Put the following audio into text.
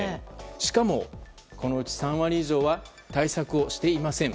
しかも、このうち３割以上は対策していません